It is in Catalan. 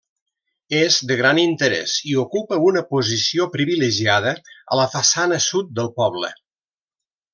És de gran interès i ocupa una posició privilegiada a la façana sud del poble.